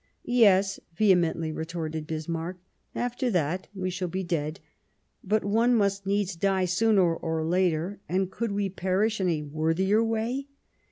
"Yes," vehemently retorted Bismarck, "after that we shall be dead ; but one must needs die sooner or later, and could we perish in a worthier way